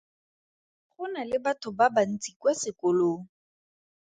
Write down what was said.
Go na le batho ba bantsi kwa sekolong.